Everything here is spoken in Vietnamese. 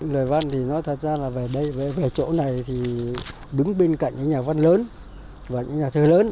lời văn thì nói thật ra là về đây chỗ này thì đứng bên cạnh những nhà văn lớn và những nhà thơ lớn